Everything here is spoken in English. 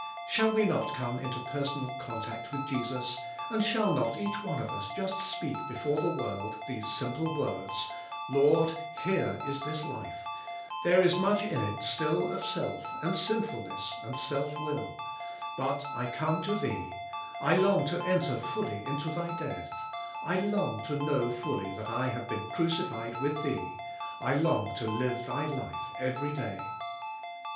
Shall we not come into personal con tact with Jesus, and shall not each one of us just speak before the world these simple words: "Lord, here is this life; there is much in it still of self, and sinfulness, and self will, but I come to Thee; I long to enter fully into Thy death; I long to know fully that T have been crucified with Thee; I long to live Thy life every day."